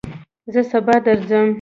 زه سبا درځم